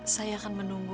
saya akan menunggu